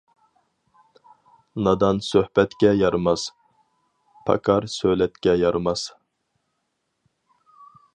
نادان سۆھبەتكە يارىماس، پاكار سۆلەتكە يارىماس!